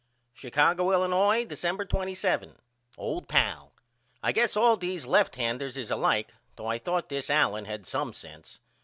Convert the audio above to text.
Chicago, Illinois, December 27. OLD PAL: I guess all these lefthanders is alike though I thought this Allen had some sense.